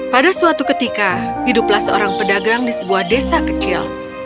pada suatu ketika hiduplah seorang pedagang di sebuah desa kecil